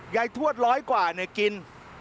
ยายทวดร้อยกว่ากิน